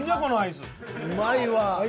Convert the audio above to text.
うまいわ。